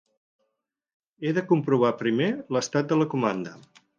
He de comprovar primer l'estat de la comanda.